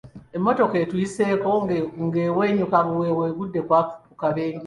Emmotoka etuyiseeko ng'eweenyuuka obuweewo egudde ku kabenje.